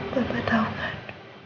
mama tau kan